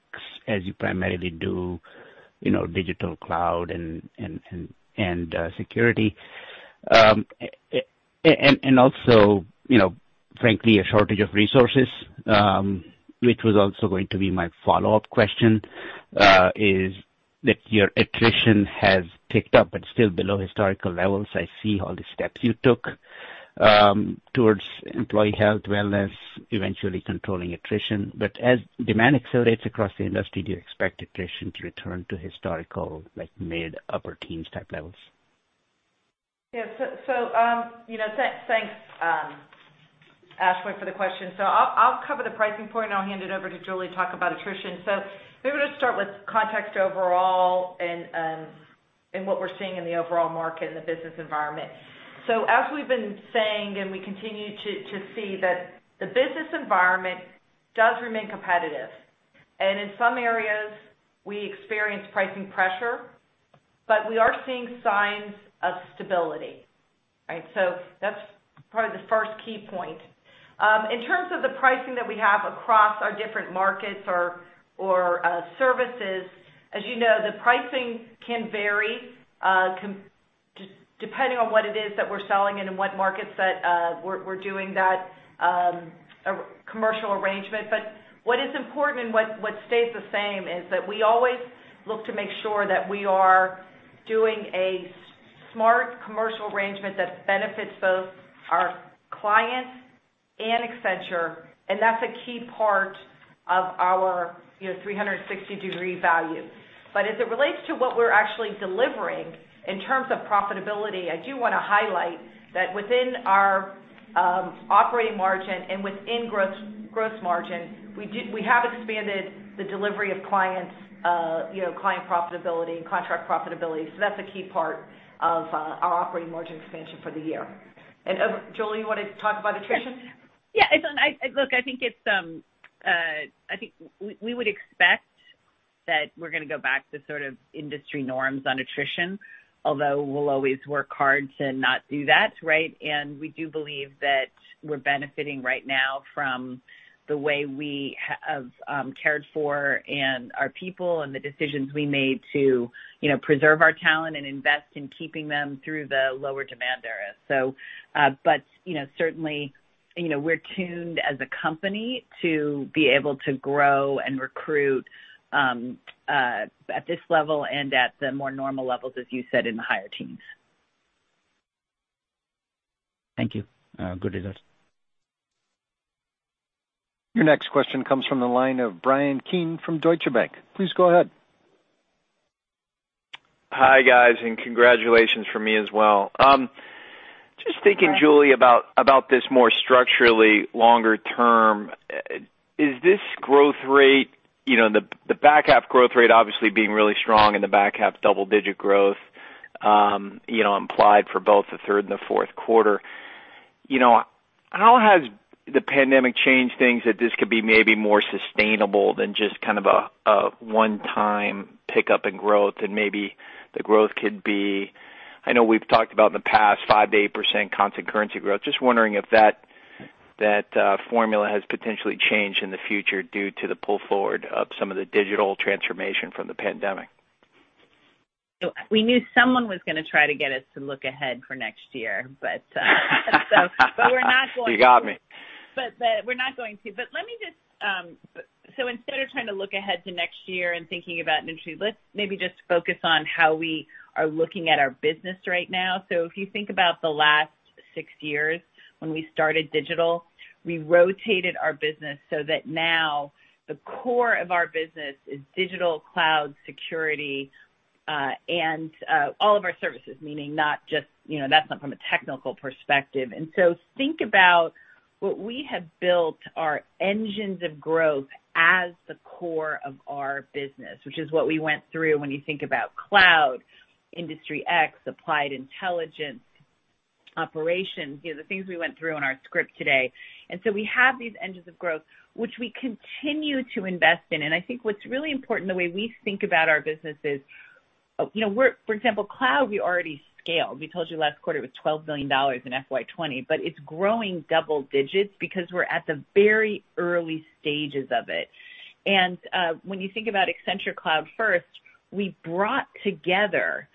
as you primarily do digital, cloud, and security. Also frankly, a shortage of resources, which was also going to be my follow-up question. Your attrition has ticked up but still below historical levels. I see all the steps you took towards employee health, wellness, eventually controlling attrition. As demand accelerates across the industry, do you expect attrition to return to historical mid, upper teens type levels? Thanks, Ashwin, for the question. I'll cover the pricing point, and I'll hand it over to Julie to talk about attrition. Maybe we'll just start with context overall and what we're seeing in the overall market and the business environment. As we've been saying, we continue to see that the business environment does remain competitive, in some areas we experience pricing pressure, we are seeing signs of stability, right? That's probably the first key point. In terms of the pricing that we have across our different markets or services, as you know, the pricing can vary depending on what it is that we're selling and in what markets that we're doing that commercial arrangement. What is important and what stays the same is that we always look to make sure that we are doing a smart commercial arrangement that benefits both our clients and Accenture, and that's a key part of our 360° Value. As it relates to what we're actually delivering in terms of profitability, I do want to highlight that within our operating margin and within gross margin, we have expanded the delivery of client profitability and contract profitability. That's a key part of our operating margin expansion for the year. Julie, you want to talk about attrition? Yeah. Look, I think we would expect that we're going to go back to industry norms on attrition, although we'll always work hard to not do that, right? We do believe that we're benefiting right now from the way we have cared for and our people and the decisions we made to preserve our talent and invest in keeping them through the lower demand areas. Certainly, we're tuned as a company to be able to grow and recruit at this level and at the more normal levels, as you said, in the higher teens. Thank you. Good results. Your next question comes from the line of Bryan Keane from Deutsche Bank. Please go ahead. Hi, guys, and congratulations from me as well. Just thinking, Julie, about this more structurally longer term, is this growth rate, the back half growth rate obviously being really strong and the back half double-digit growth implied for both the third and the fourth quarter. How has the pandemic changed things that this could be maybe more sustainable than just a one-time pickup in growth and maybe the growth could be I know we've talked about in the past 5%-8% constant currency growth. Just wondering if that formula has potentially changed in the future due to the pull forward of some of the digital transformation from the pandemic. We knew someone was going to try to get us to look ahead for next year. You got me We're not going to. Instead of trying to look ahead to next year and thinking about industry, let's maybe just focus on how we are looking at our business right now. If you think about the last six years when we started digital, we rotated our business so that now the core of our business is digital, cloud, security, and all of our services, meaning that's not from a technical perspective. Think about what we have built are engines of growth as the core of our business, which is what we went through when you think about cloud, Industry X, Applied Intelligence, operations, the things we went through in our script today. We have these engines of growth which we continue to invest in. I think what's really important, the way we think about our business is, for example, cloud, we already scaled. We told you last quarter it was $12 billion in FY 2020, but it's growing double digits because we're at the very early stages of it. When you think about Accenture Cloud First, we brought together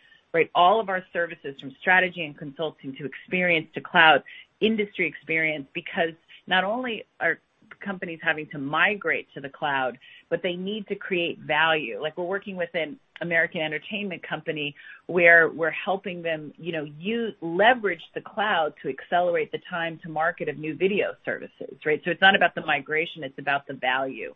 all of our services from strategy and consulting to experience to cloud, industry experience, because not only are companies having to migrate to the cloud, but they need to create value. We're working with an American entertainment company where we're helping them leverage the cloud to accelerate the time to market of new video services, right? It's not about the migration, it's about the value.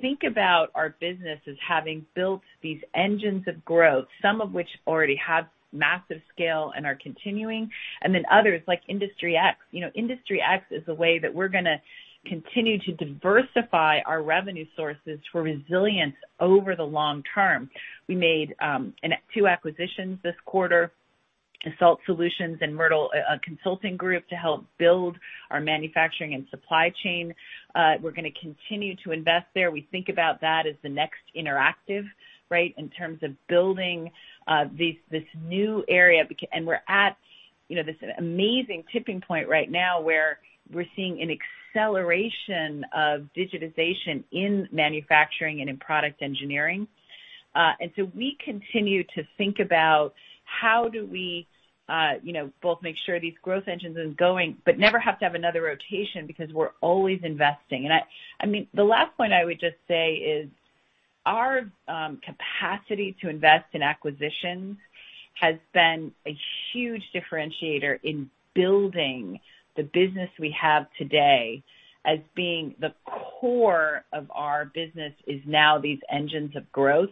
Think about our business as having built these engines of growth, some of which already have massive scale and are continuing, and then others like Industry X. Industry X is a way that we're going to continue to diversify our revenue sources for resilience over the long term. We made two acquisitions this quarter, SALT Solutions and Myrtle Consulting Group, to help build our manufacturing and supply chain. We're going to continue to invest there. We think about that as the next Interactive in terms of building this new area. We're at this amazing tipping point right now where we're seeing an acceleration of digitization in manufacturing and in product engineering. We continue to think about how do we both make sure these growth engines are going, but never have to have another rotation because we're always investing. The last point I would just say is our capacity to invest in acquisitions has been a huge differentiator in building the business we have today as being the core of our business is now these engines of growth,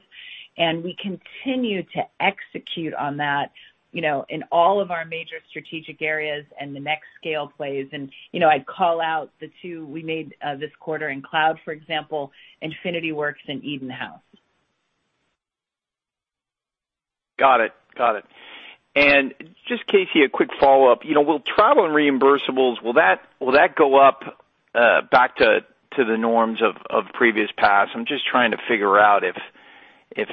we continue to execute on that in all of our major strategic areas and the next scale plays. I'd call out the two we made this quarter in cloud, for example, Infinity Works and Edenhouse. Got it. Just, KC, a quick follow-up. Will travel and reimbursables, will that go up back to the norms of previous past? I'm just trying to figure out if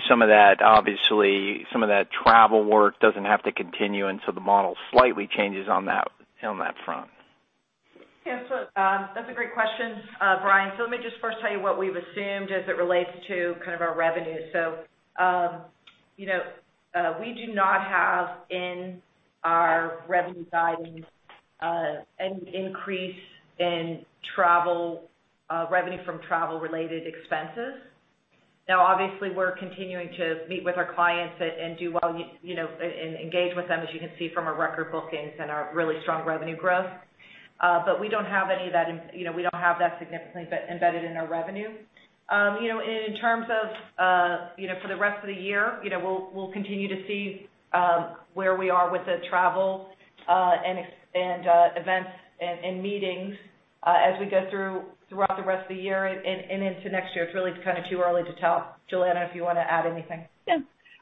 some of that travel work doesn't have to continue, and so the model slightly changes on that front. Yeah. That's a great question, Bryan. Let me just first tell you what we've assumed as it relates to our revenue. We do not have in our revenue guidance an increase in revenue from travel-related expenses. Now, obviously, we're continuing to meet with our clients and engage with them, as you can see from our record bookings and our really strong revenue growth. We don't have that significantly embedded in our revenue. In terms of for the rest of the year, we'll continue to see where we are with the travel and events and meetings as we go throughout the rest of the year and into next year. It's really kind of too early to tell. Julie, if you want to add anything. Yeah.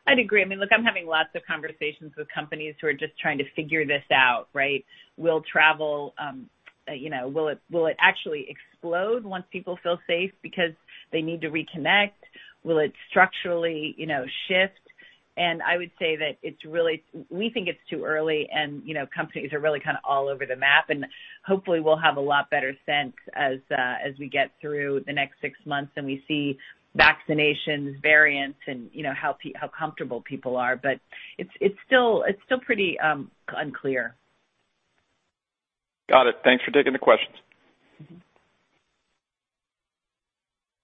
I'd agree. I mean, look, I'm having lots of conversations with companies who are just trying to figure this out. Right? Will travel actually explode once people feel safe because they need to reconnect? Will it structurally shift? I would say that we think it's too early, and companies are really kind of all over the map, and hopefully we'll have a lot better sense as we get through the next six months and we see vaccinations, variants, and how comfortable people are. It's still pretty unclear. Got it. Thanks for taking the questions.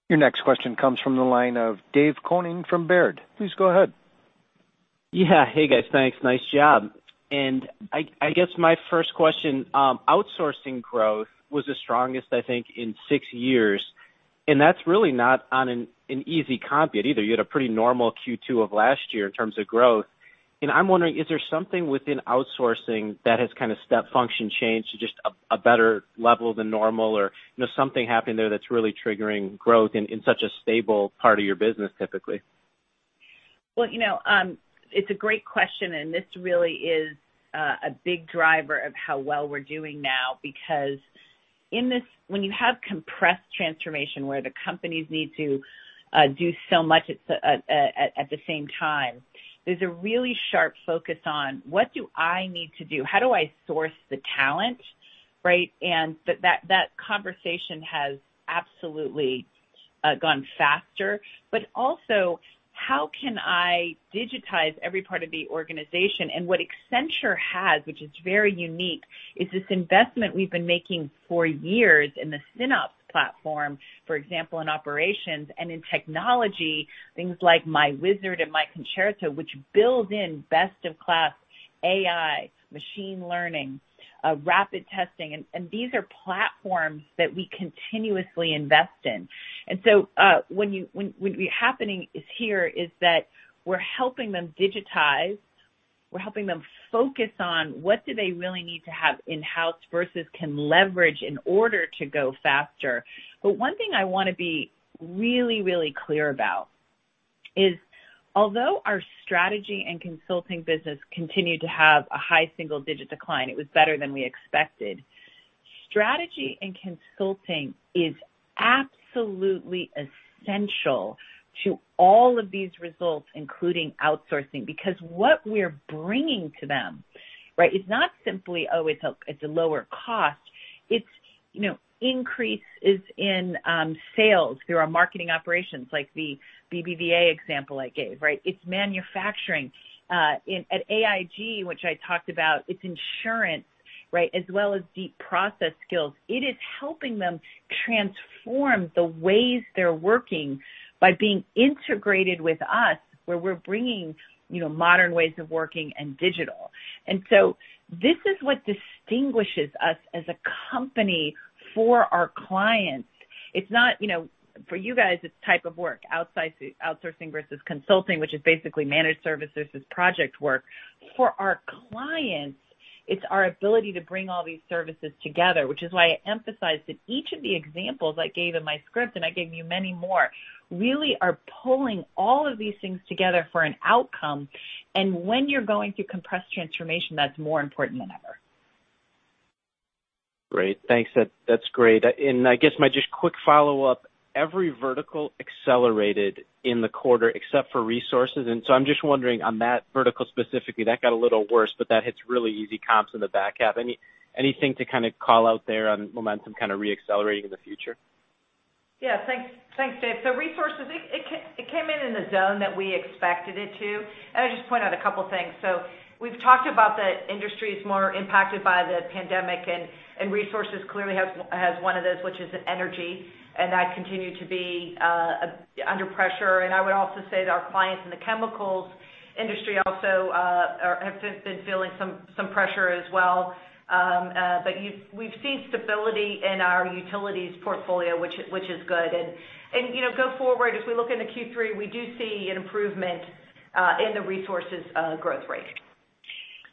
Your next question comes from the line of Dave Koning from Baird. Please go ahead. Yeah. Hey, guys. Thanks. Nice job. I guess my first question, outsourcing growth was the strongest, I think, in six years, and that's really not on an easy comp either. You had a pretty normal Q2 of last year in terms of growth. I'm wondering, is there something within outsourcing that has kind of step function changed to just a better level than normal? Something happened there that's really triggering growth in such a stable part of your business, typically? Well, it's a great question, and this really is a big driver of how well we're doing now, because when you have compressed transformation where the companies need to do so much at the same time, there's a really sharp focus on what do I need to do? How do I source the talent? Right? That conversation has absolutely gone faster. Also, how can I digitize every part of the organization? What Accenture has, which is very unique, is this investment we've been making for years in the SynOps platform, for example, in operations and in technology, things like myWizard and myConcerto, which build in best of class AI, machine learning, rapid testing, and these are platforms that we continuously invest in. What happening is here is that we're helping them digitize, we're helping them focus on what do they really need to have in-house versus can leverage in order to go faster. One thing I want to be really, really clear about is, although our strategy and consulting business continued to have a high single-digit decline, it was better than we expected. Strategy and consulting is absolutely essential to all of these results, including outsourcing, because what we're bringing to them is not simply, Oh, it's a lower cost. It's increases in sales through our marketing operations, like the BBVA example I gave. It's manufacturing. At AIG, which I talked about, it's insurance as well as deep process skills. It is helping them transform the ways they're working by being integrated with us, where we're bringing modern ways of working and digital. This is what distinguishes us as a company for our clients. For you guys, it's type of work, outsourcing versus consulting, which is basically managed services as project work. For our clients, it's our ability to bring all these services together, which is why I emphasized that each of the examples I gave in my script, and I gave you many more, really are pulling all of these things together for an outcome. When you're going through compressed transformation, that's more important than ever. Great. Thanks. That's great. I guess my just quick follow-up, every vertical accelerated in the quarter except for resources. I'm just wondering on that vertical specifically, that got a little worse, but that hits really easy comps in the back half. Anything to kind of call out there on momentum kind of re-accelerating in the future? Thanks, Dave. Resources, it came in in the zone that we expected it to. I'd just point out a couple things. We've talked about the industries more impacted by the pandemic, and Resources clearly has one of those, which is in Energy, and that continued to be under pressure. I would also say that our clients in the Chemicals industry also have been feeling some pressure as well. We've seen stability in our Utilities portfolio, which is good. Go forward, as we look into Q3, we do see an improvement in the Resources growth rate.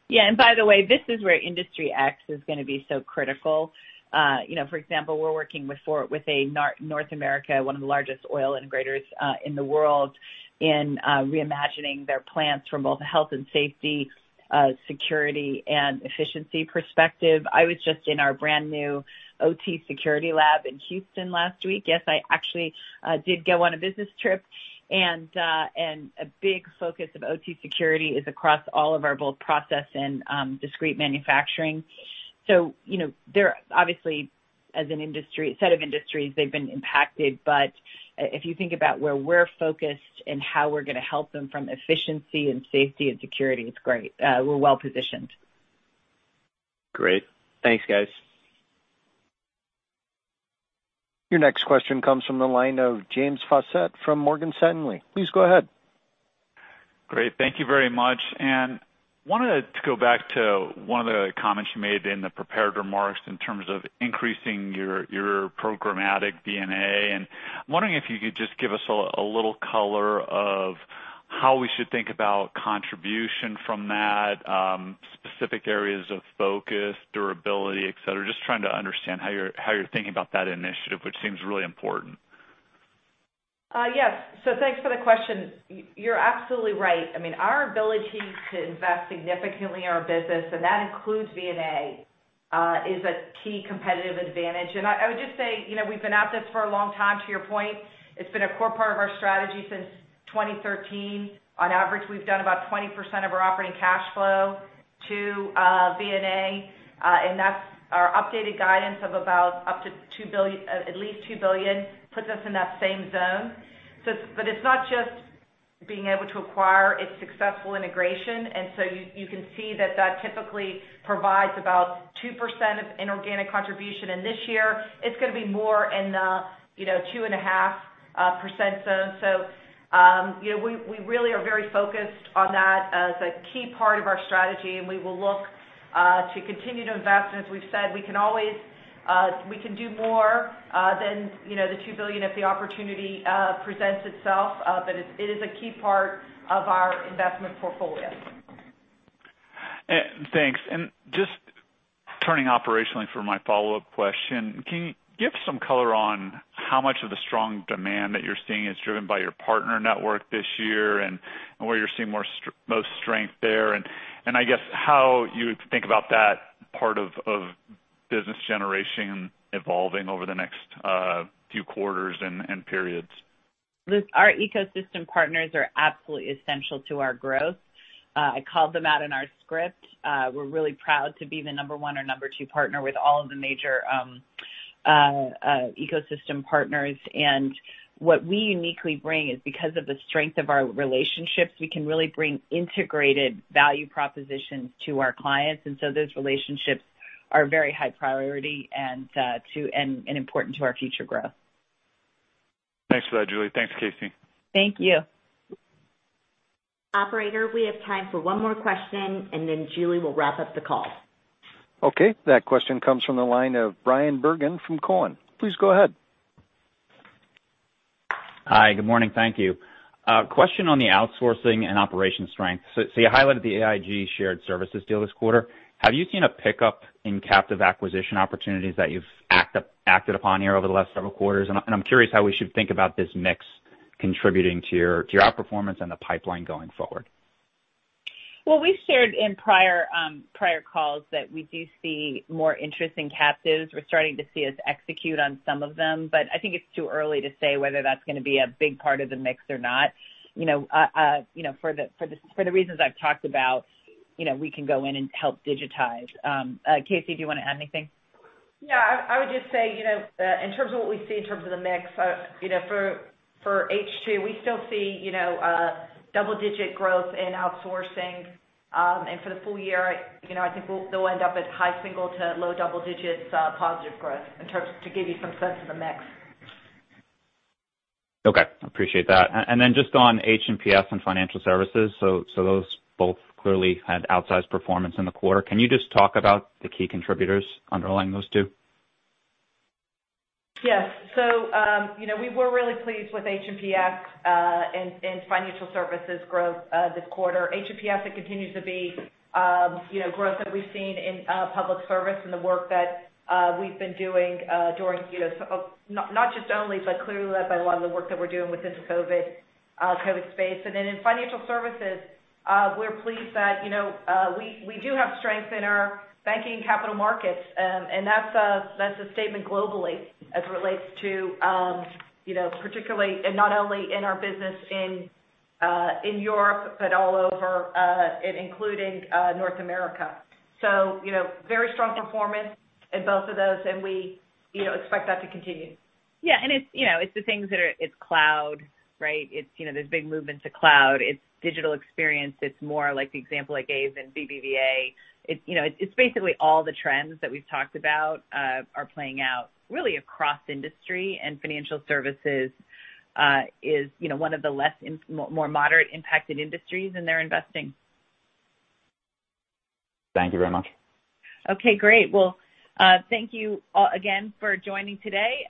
Yeah. By the way, this is where Industry X is going to be so critical. For example, we're working with a North America, one of the largest oil integrators in the world, in reimagining their plants from both a health and safety, security, and efficiency perspective. I was just in our brand new OT security lab in Houston last week. Yes, I actually did go on a business trip. A big focus of OT security is across all of our both process and discrete manufacturing. Obviously, as a set of industries, they've been impacted. If you think about where we're focused and how we're going to help them from efficiency and safety and security, it's great. We're well-positioned. Great. Thanks, guys. Your next question comes from the line of James Faucette from Morgan Stanley. Please go ahead. Great. Thank you very much. Wanted to go back to one of the comments you made in the prepared remarks in terms of increasing your programmatic M&A, and I'm wondering if you could just give us a little color of how we should think about contribution from that, specific areas of focus, durability, et cetera. Just trying to understand how you're thinking about that initiative, which seems really important. Yes. Thanks for the question. You're absolutely right. Our ability to invest significantly in our business, and that includes M&A, is a key competitive advantage. I would just say, we've been at this for a long time, to your point. It's been a core part of our strategy since 2013. On average, we've done about 20% of our operating cash flow to M&A, and that's our updated guidance of about up to at least $2 billion, puts us in that same zone. It's not just being able to acquire, it's successful integration. You can see that typically provides about 2% of inorganic contribution. This year it's going to be more in the 2.5% zone. We really are very focused on that as a key part of our strategy, and we will look to continue to invest. As we've said, we can do more than the $2 billion if the opportunity presents itself. It is a key part of our investment portfolio. Thanks. Just turning operationally for my follow-up question, can you give some color on how much of the strong demand that you're seeing is driven by your partner network this year, and where you're seeing most strength there? I guess, how you think about that part of business generation evolving over the next few quarters and periods. Look, our ecosystem partners are absolutely essential to our growth. I called them out in our script. We're really proud to be the number one or number two partner with all of the major ecosystem partners. What we uniquely bring is because of the strength of our relationships, we can really bring integrated value propositions to our clients. Those relationships are very high priority and important to our future growth. Thanks for that, Julie. Thanks, KC. Thank you. Operator, we have time for one more question. Then Julie will wrap up the call. Okay, that question comes from the line of Bryan Bergin from Cowen. Please go ahead. Hi. Good morning. Thank you. A question on the outsourcing and operation strength. You highlighted the AIG shared services deal this quarter. Have you seen a pickup in captive acquisition opportunities that you've acted upon here over the last several quarters? I'm curious how we should think about this mix contributing to your outperformance and the pipeline going forward. Well, we've shared in prior calls that we do see more interest in captives. We're starting to see us execute on some of them, but I think it's too early to say whether that's going to be a big part of the mix or not. For the reasons I've talked about, we can go in and help digitize. KC, do you want to add anything? Yeah. I would just say, in terms of what we see in terms of the mix, for H2, we still see double-digit growth in outsourcing. For the full year, I think they'll end up at high single to low double digits positive growth, to give you some sense of the mix. Okay. Appreciate that. Just on H&PS and Financial Services. Those both clearly had outsized performance in the quarter. Can you just talk about the key contributors underlying those two? Yes. We were really pleased with H&PS and Financial Services growth this quarter. H&PS, it continues to be growth that we've seen in public service and the work that we've been doing during, not just only, but clearly led by a lot of the work that we're doing within the COVID space. In Financial Services, we're pleased that we do have strength in our banking and capital markets. That's a statement globally as it relates to particularly, and not only in our business in Europe, but all over, and including North America. Very strong performance in both of those, and we expect that to continue. Yeah. It's cloud, right? There's big movement to cloud. It's digital experience. It's more like the example I gave in BBVA. It's basically all the trends that we've talked about are playing out really across industry, and Financial Services is one of the more moderate impacted industries, and they're investing. Thank you very much. Okay, great. Well, thank you again for joining today.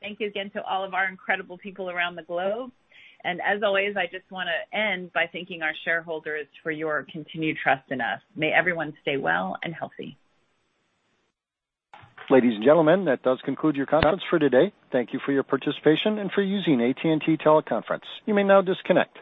Thank you again to all of our incredible people around the globe. As always, I just want to end by thanking our shareholders for your continued trust in us. May everyone stay well and healthy. Ladies and gentlemen, that does conclude your conference for today. Thank you for your participation and for using AT&T Teleconference. You may now disconnect.